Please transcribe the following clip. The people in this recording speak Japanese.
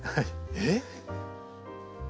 えっ？